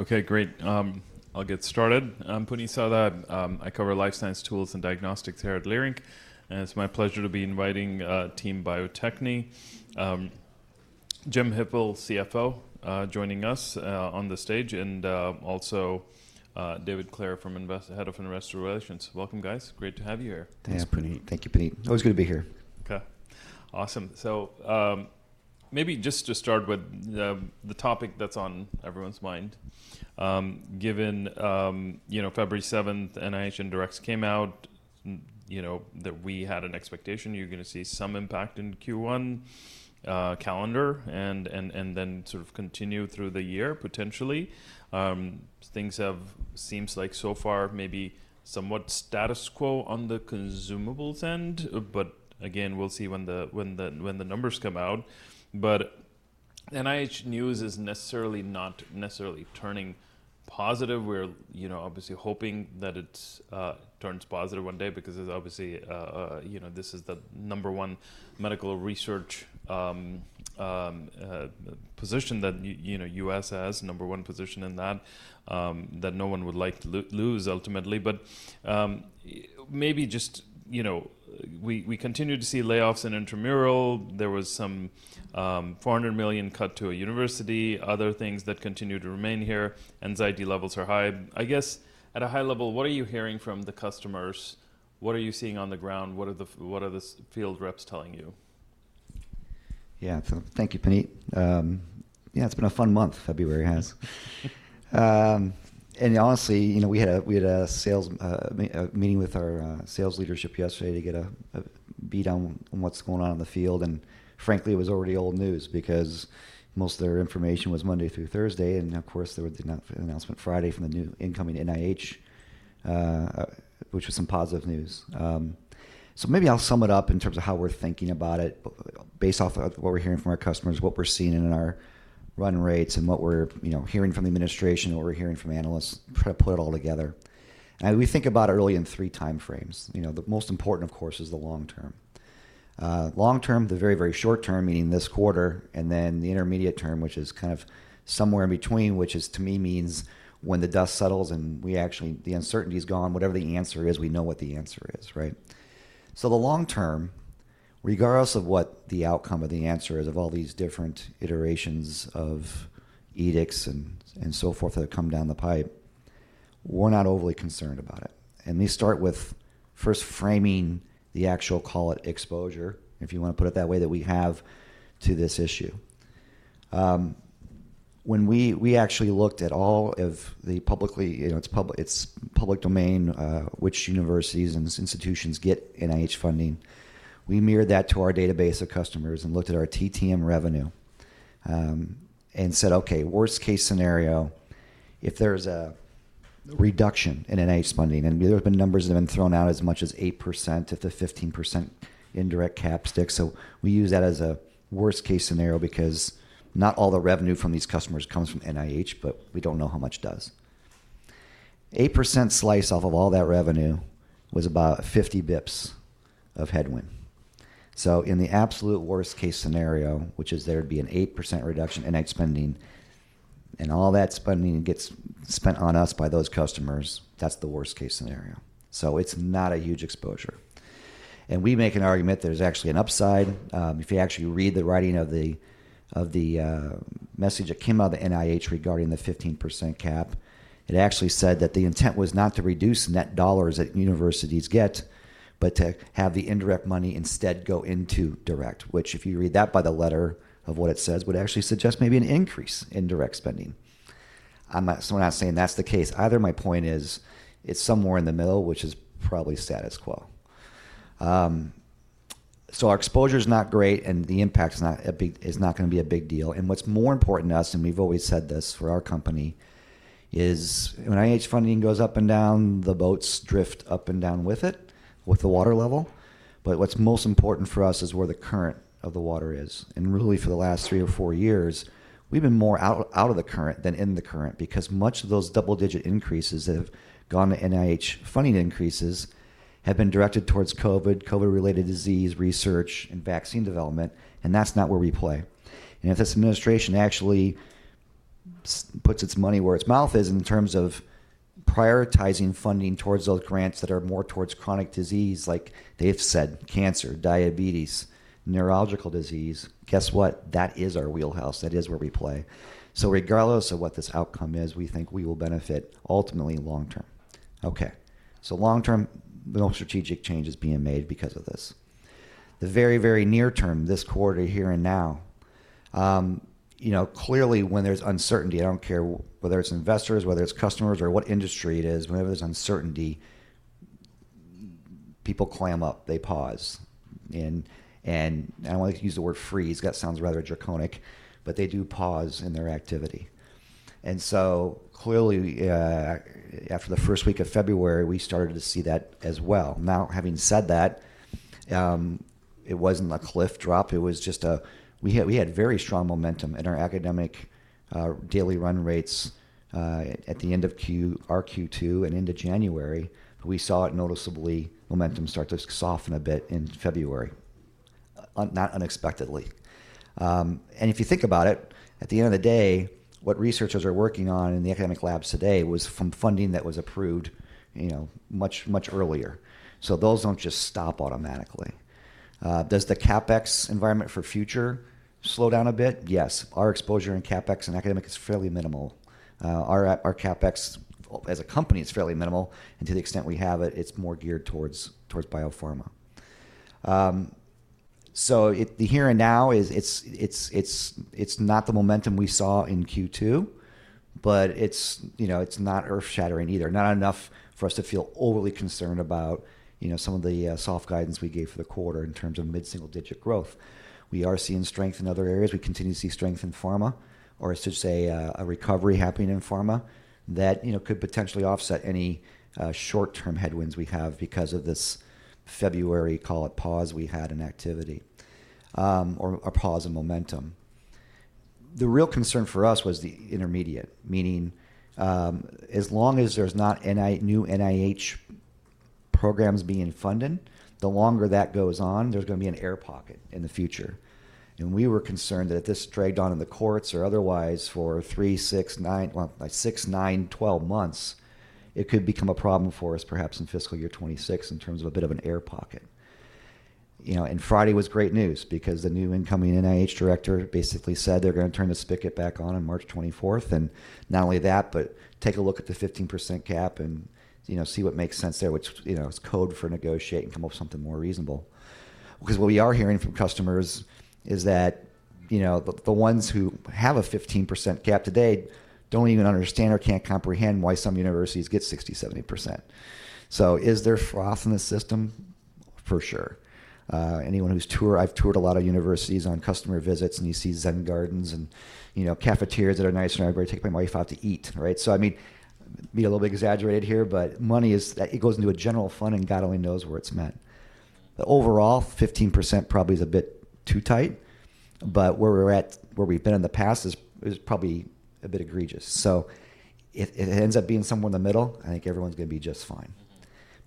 Okay, great. I'll get started. I'm Puneet Souda. I cover Life Science Tools and Diagnostics here at Leerink, and it's my pleasure to be inviting Team Bio-Techne. Jim Hippel, CFO, joining us on the stage, and also David Clair from Head of Investor Relations. Welcome, guys. Great to have you here. Thanks, Puneet. Thank you, Puneet. Always good to be here. Okay. Awesome. Maybe just to start with the topic that's on everyone's mind, given February 7, NIH Indirects came out, that we had an expectation you're going to see some impact in Q1 calendar and then sort of continue through the year, potentially. Things have seemed like so far maybe somewhat status quo on the consumables end, but again, we'll see when the numbers come out. NIH news is necessarily not necessarily turning positive. We're obviously hoping that it turns positive one day because obviously this is the number one medical research position that the U.S. has, the number one position in that, that no one would like to lose, ultimately. Maybe just we continue to see layoffs in intramural. There was some $400 million cut to a university, other things that continue to remain here. Anxiety levels are high. I guess at a high level, what are you hearing from the customers? What are you seeing on the ground? What are the field reps telling you? Yeah. Thank you, Puneet. Yeah, it's been a fun month, February has. Honestly, we had a sales meeting with our sales leadership yesterday to get a beat on what's going on in the field. Frankly, it was already old news because most of their information was Monday through Thursday. Of course, they did an announcement Friday from the new incoming NIH, which was some positive news. Maybe I'll sum it up in terms of how we're thinking about it based off of what we're hearing from our customers, what we're seeing in our run rates, and what we're hearing from the administration, what we're hearing from analysts, try to put it all together. We think about it really in three time frames. The most important, of course, is the long term. Long term, the very, very short term, meaning this quarter, and then the intermediate term, which is kind of somewhere in between, which to me means when the dust settles and the uncertainty is gone, whatever the answer is, we know what the answer is, right? The long term, regardless of what the outcome of the answer is of all these different iterations of edicts and so forth that have come down the pipe, we're not overly concerned about it. We start with first framing the actual, call it, exposure, if you want to put it that way, that we have to this issue. When we actually looked at all of the publicly, it's public domain which universities and institutions get NIH funding, we mirrored that to our database of customers and looked at our TTM revenue and said, "Okay, worst case scenario, if there's a reduction in NIH funding," and there have been numbers that have been thrown out as much as 8% to 15% indirect cap sticks. We use that as a worst case scenario because not all the revenue from these customers comes from NIH, but we don't know how much does. 8% slice off of all that revenue was about 50 basis points of headwind. In the absolute worst case scenario, which is there'd be an 8% reduction in NIH spending and all that spending gets spent on us by those customers, that's the worst case scenario. It's not a huge exposure. We make an argument there's actually an upside. If you actually read the writing of the message that came out of the NIH regarding the 15% cap, it actually said that the intent was not to reduce net dollars that universities get, but to have the indirect money instead go into direct, which if you read that by the letter of what it says, would actually suggest maybe an increase in direct spending. We're not saying that's the case. Either my point is it's somewhere in the middle, which is probably status quo. Our exposure is not great, and the impact is not going to be a big deal. What's more important to us, and we've always said this for our company, is when NIH funding goes up and down, the boats drift up and down with it, with the water level. What's most important for us is where the current of the water is. Really, for the last three or four years, we've been more out of the current than in the current because much of those double-digit increases that have gone to NIH funding increases have been directed towards COVID, COVID-related disease research, and vaccine development. That's not where we play. If this administration actually puts its money where its mouth is in terms of prioritizing funding towards those grants that are more towards chronic disease, like they've said, cancer, diabetes, neurological disease, guess what? That is our wheelhouse. That is where we play. Regardless of what this outcome is, we think we will benefit ultimately long term. Okay. Long term, no strategic change is being made because of this. The very, very near term, this quarter here and now, clearly when there's uncertainty, I don't care whether it's investors, whether it's customers, or what industry it is, whenever there's uncertainty, people clam up, they pause. I don't want to use the word freeze. That sounds rather draconic, but they do pause in their activity. Clearly, after the first week of February, we started to see that as well. Now, having said that, it wasn't a cliff drop. It was just a—we had very strong momentum in our academic daily run rates at the end of our Q2 and into January. We saw it noticeably, momentum start to soften a bit in February, not unexpectedly. If you think about it, at the end of the day, what researchers are working on in the academic labs today was from funding that was approved much earlier. Those do not just stop automatically. Does the CapEx environment for future slow down a bit? Yes. Our exposure in CapEx and academic is fairly minimal. Our CapEx as a company is fairly minimal. To the extent we have it, it is more geared towards biopharma. The here and now, it is not the momentum we saw in Q2, but it is not earth-shattering either. Not enough for us to feel overly concerned about some of the soft guidance we gave for the quarter in terms of mid-single-digit growth. We are seeing strength in other areas. We continue to see strength in pharma, or I should say a recovery happening in pharma that could potentially offset any short-term headwinds we have because of this February, call it, pause we had in activity or a pause in momentum. The real concern for us was the intermediate, meaning as long as there's not new NIH programs being funded, the longer that goes on, there's going to be an air pocket in the future. We were concerned that if this dragged on in the courts or otherwise for three, six, nine, well, six, nine, twelve months, it could become a problem for us perhaps in fiscal year 2026 in terms of a bit of an air pocket. Friday was great news because the new incoming NIH director basically said they're going to turn the spigot back on on March 24th. Not only that, but take a look at the 15% cap and see what makes sense there, which is code for negotiate and come up with something more reasonable. Because what we are hearing from customers is that the ones who have a 15% cap today do not even understand or cannot comprehend why some universities get 60-70%. Is there froth in the system? For sure. Anyone who has toured, I have toured a lot of universities on customer visits, and you see Zen gardens and cafeterias that are nice and everybody taking my wife out to eat, right? I mean, maybe a little bit exaggerated here, but money is that it goes into a general fund, and God only knows where it is met. Overall, 15% probably is a bit too tight. Where we are at, where we have been in the past is probably a bit egregious. If it ends up being somewhere in the middle, I think everyone is going to be just fine.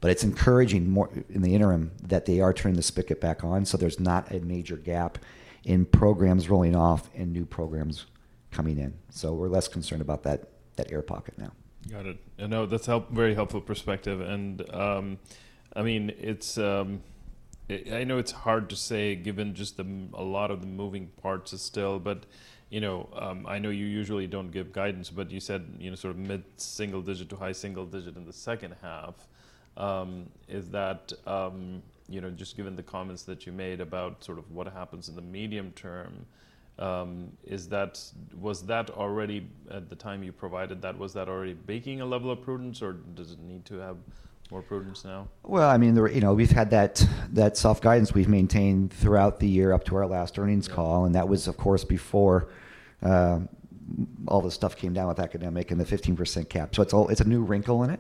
It is encouraging in the interim that they are turning the spigot back on so there is not a major gap in programs rolling off and new programs coming in. We are less concerned about that air pocket now. Got it. No, that's a very helpful perspective. I mean, I know it's hard to say given just a lot of the moving parts still, but I know you usually don't give guidance, but you said sort of mid-single digit to high single digit in the second half. Is that just given the comments that you made about sort of what happens in the medium term, was that already at the time you provided that, was that already baking a level of prudence, or does it need to have more prudence now? I mean, we've had that soft guidance we've maintained throughout the year up to our last earnings call. That was, of course, before all the stuff came down with academic and the 15% cap. It is a new wrinkle in it.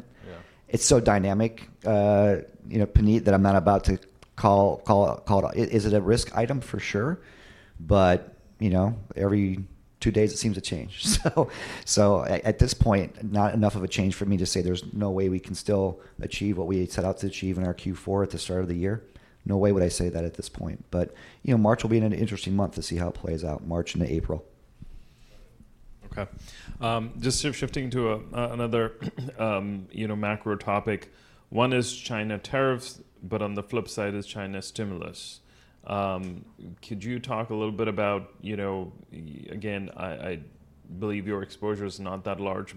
It is so dynamic, Puneet, that I'm not about to call it a risk item for sure. Every two days, it seems to change. At this point, not enough of a change for me to say there's no way we can still achieve what we set out to achieve in our Q4 at the start of the year. No way would I say that at this point. March will be an interesting month to see how it plays out, March into April. Okay. Just shifting to another macro topic. One is China tariffs, but on the flip side is China stimulus. Could you talk a little bit about, again, I believe your exposure is not that large,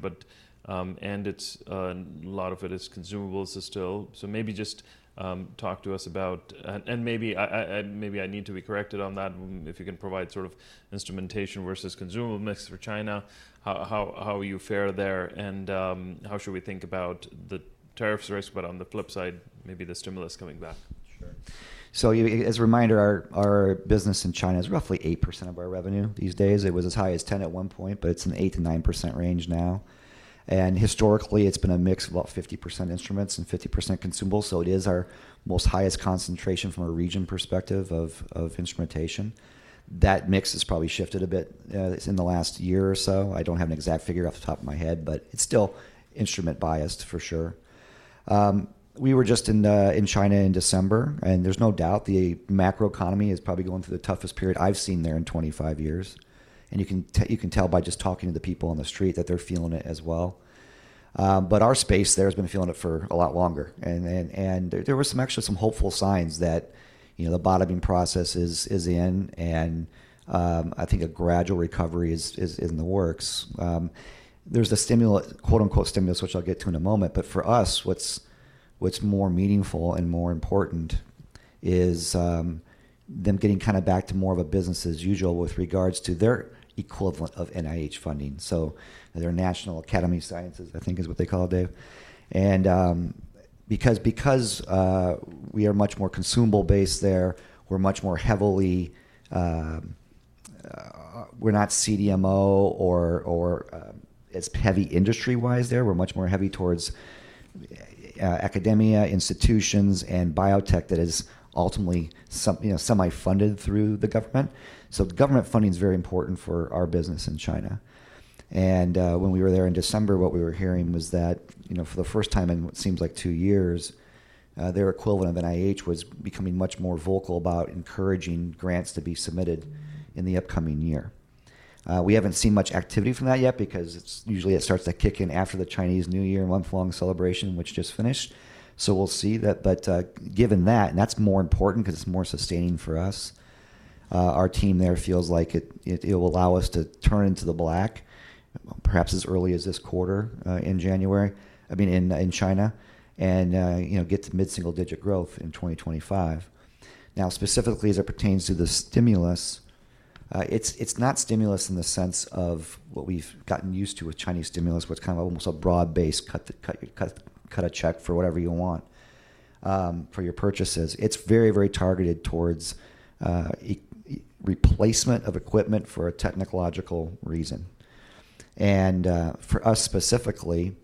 and a lot of it is consumables still. Maybe just talk to us about, and maybe I need to be corrected on that, if you can provide sort of instrumentation versus consumables mix for China, how you fare there, and how should we think about the tariffs risk, but on the flip side, maybe the stimulus coming back. Sure. As a reminder, our business in China is roughly 8% of our revenue these days. It was as high as 10% at one point, but it is in the 8-9% range now. Historically, it has been a mix of about 50% instruments and 50% consumables. It is our highest concentration from a region perspective of instrumentation. That mix has probably shifted a bit in the last year or so. I do not have an exact figure off the top of my head, but it is still instrument biased for sure. We were just in China in December, and there is no doubt the macroeconomy is probably going through the toughest period I have seen there in 25 years. You can tell by just talking to the people on the street that they are feeling it as well. Our space there has been feeling it for a lot longer. There were actually some hopeful signs that the bottoming process is in, and I think a gradual recovery is in the works. There is the quote-unquote stimulus, which I'll get to in a moment. For us, what's more meaningful and more important is them getting kind of back to more of a business as usual with regards to their equivalent of NIH funding. Their National Academy of Sciences, I think is what they call it, Dave. Because we are much more consumable-based there, we're much more heavily, we're not CDMO or as heavy industry-wise there. We're much more heavy towards academia, institutions, and biotech that is ultimately semi-funded through the government. Government funding is very important for our business in China. When we were there in December, what we were hearing was that for the first time in what seems like two years, their equivalent of NIH was becoming much more vocal about encouraging grants to be submitted in the upcoming year. We have not seen much activity from that yet because usually it starts to kick in after the Chinese New Year, month-long celebration, which just finished. We will see that. That is more important because it is more sustaining for us. Our team there feels like it will allow us to turn into the black, perhaps as early as this quarter in January, I mean, in China, and get to mid-single digit growth in 2025. Now, specifically as it pertains to the stimulus, it's not stimulus in the sense of what we've gotten used to with Chinese stimulus, what's kind of almost a broad-based cut a check for whatever you want for your purchases. It's very, very targeted towards replacement of equipment for a technological reason. For us specifically,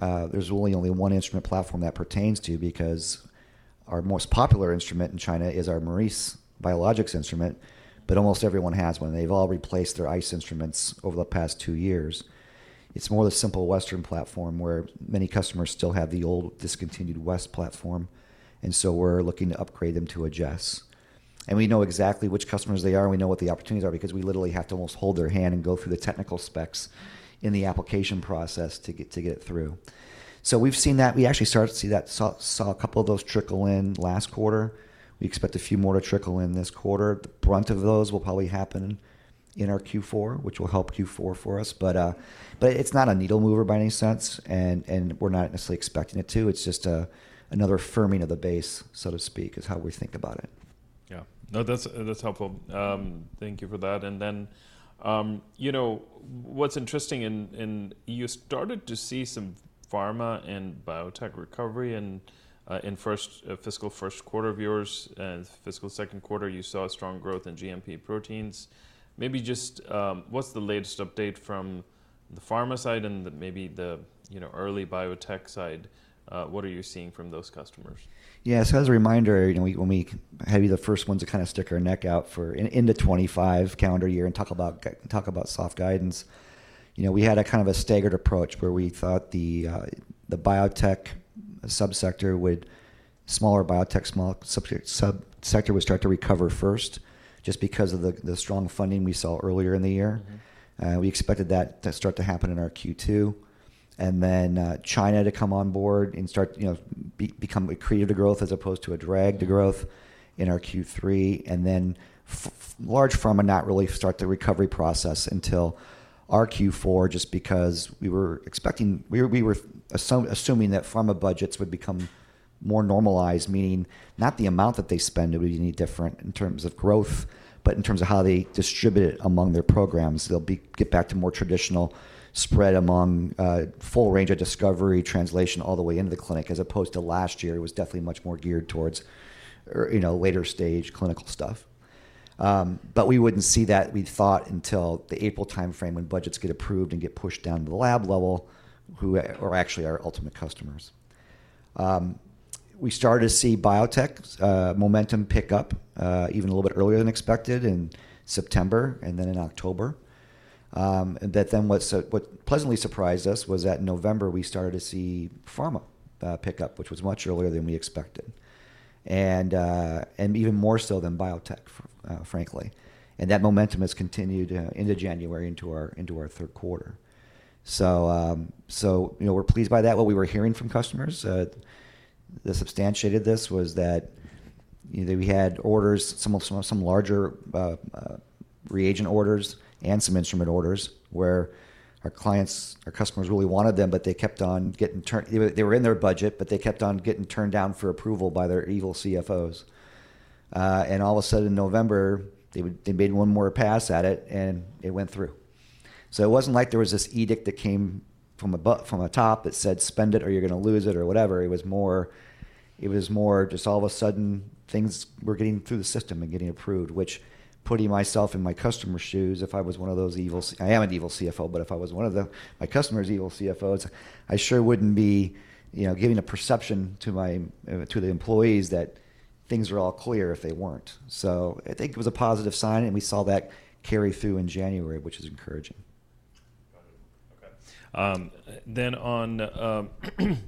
there's really only one instrument platform that pertains to because our most popular instrument in China is our Maurice Biologics Instrument, but almost everyone has one. They've all replaced their iCE instruments over the past two years. It's more of the Simple Western platform where many customers still have the old discontinued Wes platform. We're looking to upgrade them to a Jess. We know exactly which customers they are, and we know what the opportunities are because we literally have to almost hold their hand and go through the technical specs in the application process to get it through. We have seen that. We actually started to see that, saw a couple of those trickle in last quarter. We expect a few more to trickle in this quarter. The brunt of those will probably happen in our Q4, which will help Q4 for us. It is not a needle mover by any sense, and we are not necessarily expecting it to. It is just another firming of the base, so to speak, is how we think about it. Yeah. No, that's helpful. Thank you for that. What's interesting is you started to see some pharma and biotech recovery in fiscal first quarter of yours, and fiscal second quarter, you saw a strong growth in GMP proteins. Maybe just what's the latest update from the pharma side and maybe the early biotech side? What are you seeing from those customers? Yeah. As a reminder, when we had to be the first ones to kind of stick our neck out for into 2025 calendar year and talk about soft guidance, we had a kind of a staggered approach where we thought the biotech subsector would, smaller biotech subsector would start to recover first just because of the strong funding we saw earlier in the year. We expected that to start to happen in our Q2, and then China to come on board and create a growth as opposed to a drag to growth in our Q3. Large pharma not really start the recovery process until our Q4 just because we were assuming that pharma budgets would become more normalized, meaning not the amount that they spend, it would be any different in terms of growth, but in terms of how they distribute it among their programs. They'll get back to more traditional spread among full range of discovery, translation all the way into the clinic as opposed to last year. It was definitely much more geared towards later stage clinical stuff. We wouldn't see that, we thought, until the April timeframe when budgets get approved and get pushed down to the lab level, who are actually our ultimate customers. We started to see biotech momentum pick up even a little bit earlier than expected in September and then in October. What pleasantly surprised us was that in November, we started to see pharma pick up, which was much earlier than we expected and even more so than biotech, frankly. That momentum has continued into January into our third quarter. We are pleased by that, what we were hearing from customers. The substantiated this was that we had orders, some larger reagent orders and some instrument orders where our clients, our customers really wanted them, but they kept on getting turned, they were in their budget, but they kept on getting turned down for approval by their evil CFOs. All of a sudden in November, they made one more pass at it and it went through. It was not like there was this edict that came from a top that said, "Spend it or you're going to lose it or whatever." It was more just all of a sudden things were getting through the system and getting approved, which, putting myself in my customer's shoes, if I was one of those evil, I am an evil CFO, but if I was one of my customer's evil CFOs, I sure would not be giving a perception to the employees that things were all clear if they were not. I think it was a positive sign, and we saw that carry through in January, which is encouraging. Got it. Okay.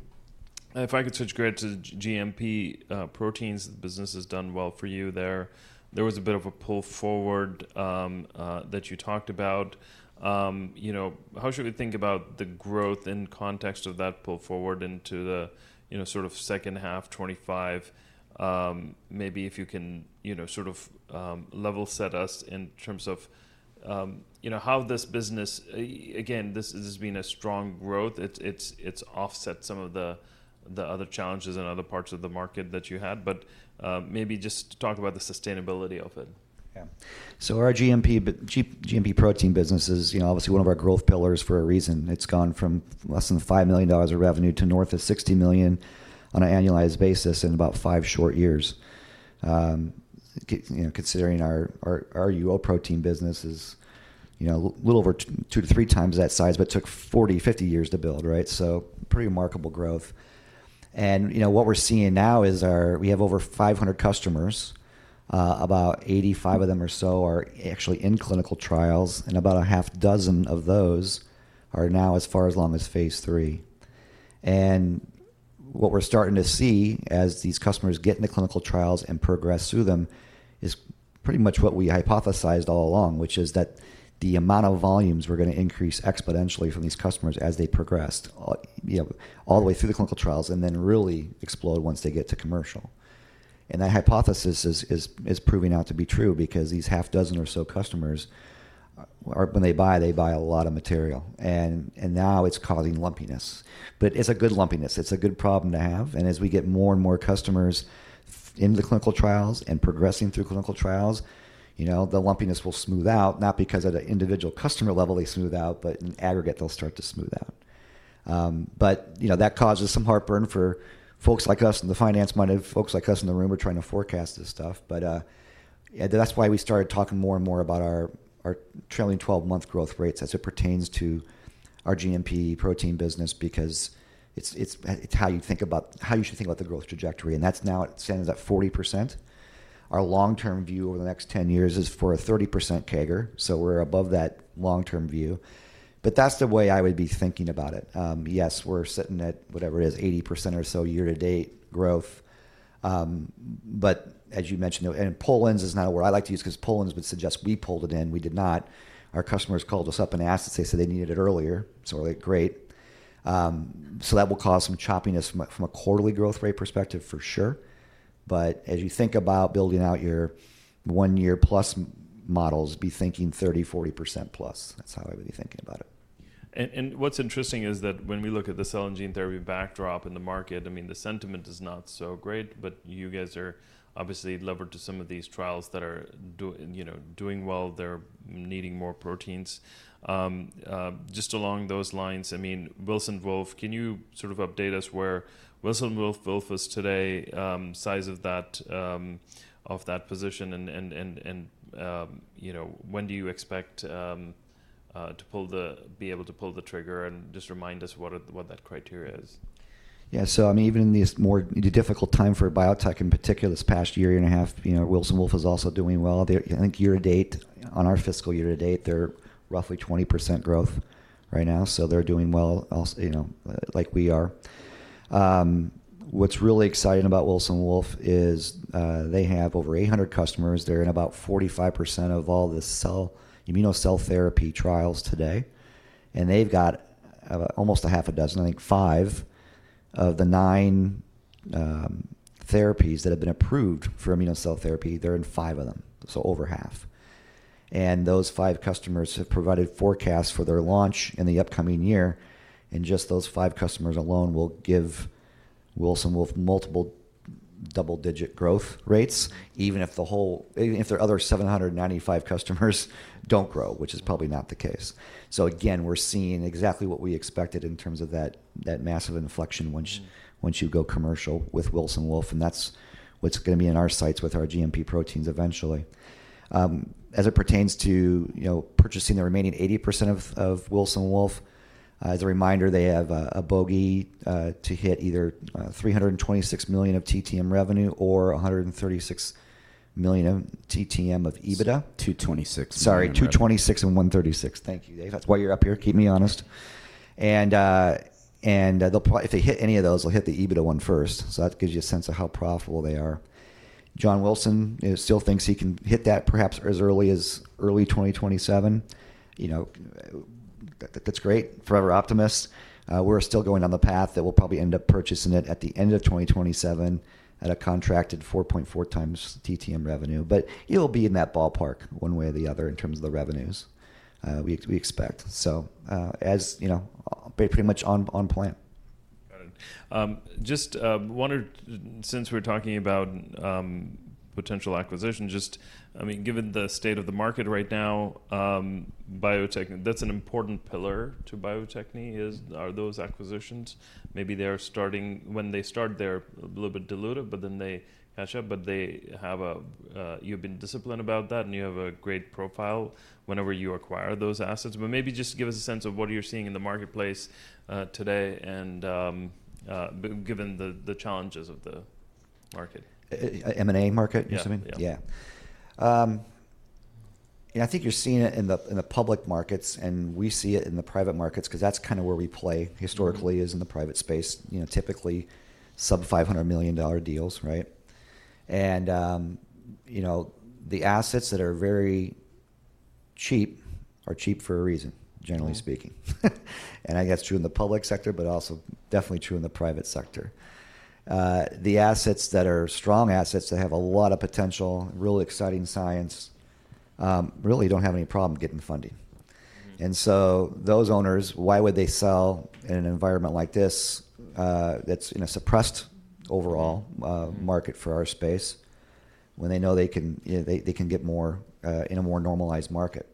If I could switch gear to GMP proteins, the business has done well for you there. There was a bit of a pull forward that you talked about. How should we think about the growth in context of that pull forward into the sort of second half, 2025? Maybe if you can sort of level set us in terms of how this business, again, this has been a strong growth. It's offset some of the other challenges in other parts of the market that you had, but maybe just talk about the sustainability of it. Yeah. Our GMP protein business is obviously one of our growth pillars for a reason. It has gone from less than $5 million of revenue to north of $60 million on an annualized basis in about five short years. Considering our UO protein business is a little over two to three times that size, but took 40-50 years to build, right? Pretty remarkable growth. What we are seeing now is we have over 500 customers, about 85 of them or so are actually in clinical trials, and about a half dozen of those are now as far as long as phase III. What we're starting to see as these customers get into clinical trials and progress through them is pretty much what we hypothesized all along, which is that the amount of volumes are going to increase exponentially from these customers as they progress all the way through the clinical trials and then really explode once they get to commercial. That hypothesis is proving out to be true because these half dozen or so customers, when they buy, they buy a lot of material. Now it's causing lumpiness. It's a good lumpiness. It's a good problem to have. As we get more and more customers into clinical trials and progressing through clinical trials, the lumpiness will smooth out, not because at an individual customer level they smooth out, but in aggregate, they'll start to smooth out. That causes some heartburn for folks like us in the finance mind, folks like us in the room are trying to forecast this stuff. That is why we started talking more and more about our trailing 12-month growth rates as it pertains to our GMP protein business because it is how you think about how you should think about the growth trajectory. That is now standing at 40%. Our long-term view over the next 10 years is for a 30% CAGR. We are above that long-term view. That is the way I would be thinking about it. Yes, we are sitting at whatever it is, 80% or so year-to-date growth. As you mentioned, and pull-ins is not a word I like to use because pull-ins would suggest we pulled it in. We did not. Our customers called us up and asked to say they needed it earlier. We're like, "Great." That will cause some choppiness from a quarterly growth rate perspective for sure. As you think about building out your one-year plus models, be thinking 30-40% plus. That's how I would be thinking about it. What's interesting is that when we look at the cell and gene therapy backdrop in the market, I mean, the sentiment is not so great, but you guys are obviously levered to some of these trials that are doing well. They're needing more proteins. Just along those lines, I mean, Wilson Wolf, can you sort of update us where Wilson Wolf is today, size of that position, and when do you expect to be able to pull the trigger and just remind us what that criteria is? Yeah. I mean, even in this more difficult time for biotech in particular this past year and a half, Wilson Wolf is also doing well. I think year-to-date, on our fiscal year-to-date, they're roughly 20% growth right now. They're doing well like we are. What's really exciting about Wilson Wolf is they have over 800 customers. They're in about 45% of all the immuno-cell therapy trials today. They've got almost half a dozen, I think five of the nine therapies that have been approved for immuno-cell therapy, they're in five of them, so over half. Those five customers have provided forecasts for their launch in the upcoming year. Just those five customers alone will give Wilson Wolf multiple double-digit growth rates, even if the other 795 customers do not grow, which is probably not the case. Again, we're seeing exactly what we expected in terms of that massive inflection once you go commercial with Wilson Wolf. That's what's going to be in our sights with our GMP proteins eventually. As it pertains to purchasing the remaining 80% of Wilson Wolf, as a reminder, they have a bogey to hit either $326 million of TTM revenue or $136 million of TTM of EBITDA. 226. Sorry, 226 and 136. Thank you. That's why you're up here. Keep me honest. If they hit any of those, they'll hit the EBITDA one first. That gives you a sense of how profitable they are. John Wilson still thinks he can hit that perhaps as early as early 2027. That's great. Forever optimist. We're still going down the path that we'll probably end up purchasing it at the end of 2027 at a contracted 4.4 times TTM revenue. It will be in that ballpark one way or the other in terms of the revenues we expect. Pretty much on plan. Got it. Just wondered, since we're talking about potential acquisition, just, I mean, given the state of the market right now, biotech, that's an important pillar to Bio-Techne, are those acquisitions. Maybe they are starting, when they start, they're a little bit diluted, but then they catch up. You've been disciplined about that, and you have a great profile whenever you acquire those assets. Maybe just give us a sense of what you're seeing in the marketplace today and given the challenges of the market. M&A market, you're saying? Yeah. Yeah. I think you're seeing it in the public markets, and we see it in the private markets because that's kind of where we play historically is in the private space, typically sub-$500 million deals, right? The assets that are very cheap are cheap for a reason, generally speaking. I guess true in the public sector, but also definitely true in the private sector. The assets that are strong assets that have a lot of potential, real exciting science, really don't have any problem getting funding. Those owners, why would they sell in an environment like this that's in a suppressed overall market for our space when they know they can get more in a more normalized market?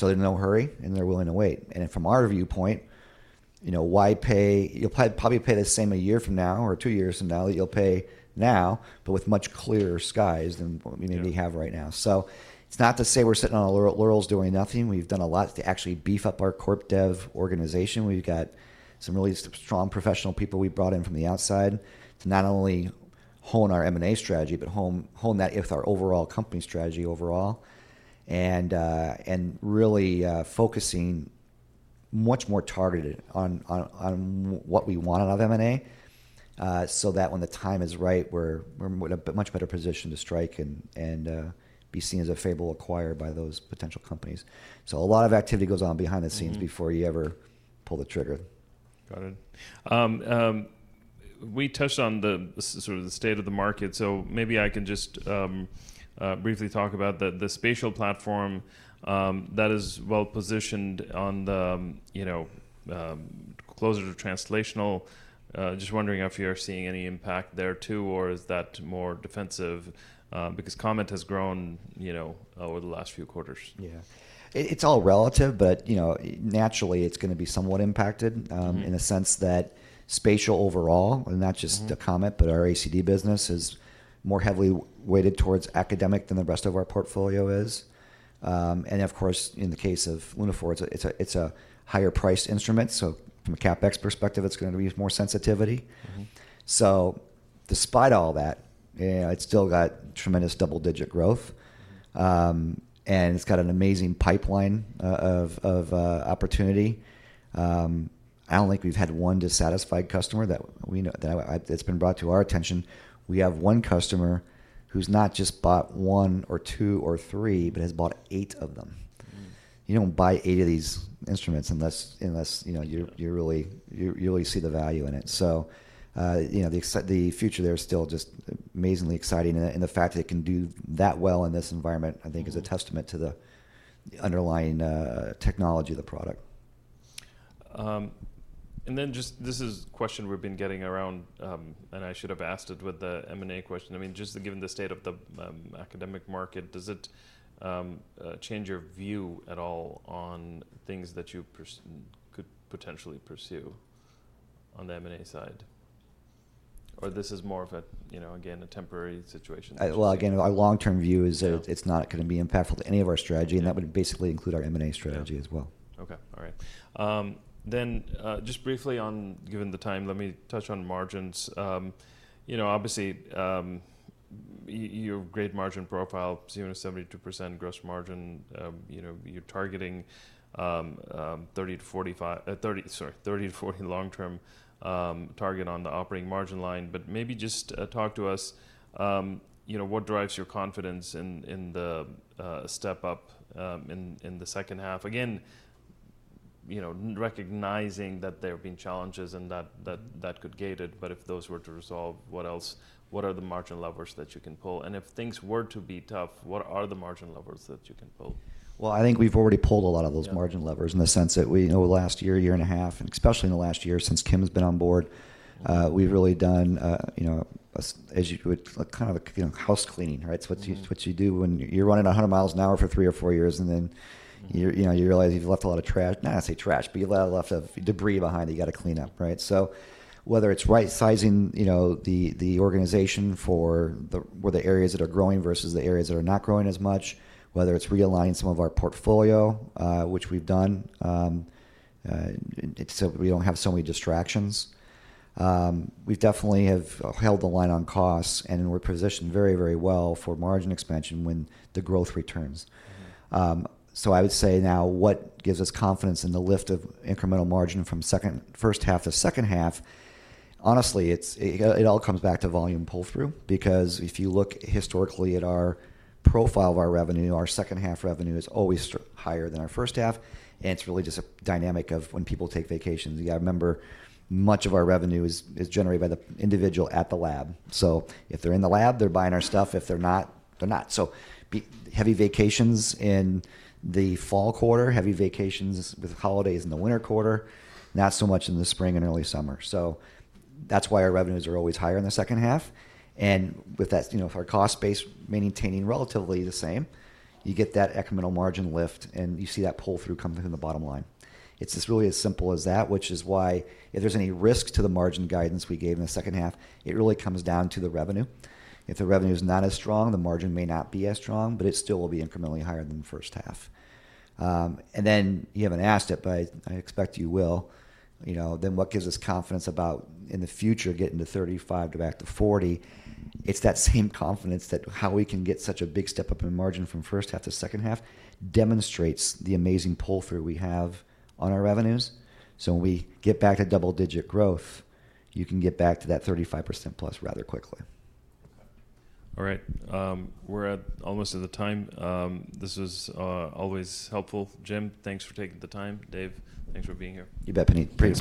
They are in no hurry, and they are willing to wait. From our viewpoint, you'll probably pay the same a year from now or two years from now that you'll pay now, but with much clearer skies than we maybe have right now. It is not to say we're sitting on our laurels doing nothing. We've done a lot to actually beef up our CorpDev organization. We've got some really strong professional people we brought in from the outside to not only hone our M&A strategy, but hone that with our overall company strategy overall and really focusing much more targeted on what we want out of M&A so that when the time is right, we're in a much better position to strike and be seen as a favorable acquirer by those potential companies. A lot of activity goes on behind the scenes before you ever pull the trigger. Got it. We touched on sort of the state of the market. Maybe I can just briefly talk about the spatial platform that is well positioned on the closer to translational. Just wondering if you're seeing any impact there too, or is that more defensive? Because COMET has grown over the last few quarters. Yeah. It's all relative, but naturally, it's going to be somewhat impacted in the sense that spatial overall, and not just the COMET, but our ACD business is more heavily weighted towards academic than the rest of our portfolio is. Of course, in the case of Lunaphore, it's a higher-priced instrument. From a CapEx perspective, it's going to be more sensitivity. Despite all that, it's still got tremendous double-digit growth, and it's got an amazing pipeline of opportunity. I don't think we've had one dissatisfied customer that it's been brought to our attention. We have one customer who's not just bought one or two or three, but has bought eight of them. You don't buy eight of these instruments unless you really see the value in it. The future there is still just amazingly exciting. The fact that it can do that well in this environment, I think, is a testament to the underlying technology of the product. This is a question we've been getting around, and I should have asked it with the M&A question. I mean, just given the state of the academic market, does it change your view at all on things that you could potentially pursue on the M&A side? Or this is more of a, again, a temporary situation? Again, our long-term view is that it's not going to be impactful to any of our strategy, and that would basically include our M&A strategy as well. Okay. All right. Then just briefly, given the time, let me touch on margins. Obviously, your great margin profile, 72% gross margin, you're targeting 30-40 long-term target on the operating margin line. Maybe just talk to us, what drives your confidence in the step up in the second half? Again, recognizing that there have been challenges and that could gate it, if those were to resolve, what are the margin levers that you can pull? If things were to be tough, what are the margin levers that you can pull? I think we've already pulled a lot of those margin levers in the sense that we know last year, year and a half, and especially in the last year since Kim has been on board, we've really done, as you would, kind of a house cleaning, right? What you do when you're running 100 miles an hour for three or four years, and then you realize you've left a lot of trash, not to say trash, but you left a debris behind that you got to clean up, right? Whether it's right-sizing the organization for the areas that are growing versus the areas that are not growing as much, whether it's realigning some of our portfolio, which we've done so we don't have so many distractions. We definitely have held the line on costs, and we're positioned very, very well for margin expansion when the growth returns. I would say now what gives us confidence in the lift of incremental margin from first half to second half, honestly, it all comes back to volume pull-through because if you look historically at our profile of our revenue, our second half revenue is always higher than our first half. It is really just a dynamic of when people take vacations. You got to remember, much of our revenue is generated by the individual at the lab. If they are in the lab, they are buying our stuff. If they are not, they are not. Heavy vacations in the fall quarter, heavy vacations with holidays in the winter quarter, not so much in the spring and early summer. That is why our revenues are always higher in the second half. With our cost base maintaining relatively the same, you get that incremental margin lift, and you see that pull-through come through the bottom line. It is just really as simple as that, which is why if there is any risk to the margin guidance we gave in the second half, it really comes down to the revenue. If the revenue is not as strong, the margin may not be as strong, but it still will be incrementally higher than the first half. You have not asked it, but I expect you will. What gives us confidence about in the future getting to 35% to back to 40%? It is that same confidence that how we can get such a big step up in margin from first half to second half demonstrates the amazing pull-through we have on our revenues. When we get back to double-digit growth, you can get back to that 35% plus rather quickly. All right. We're almost at the time. This was always helpful, Jim. Thanks for taking the time, Dave. Thanks for being here. You bet, Puneet.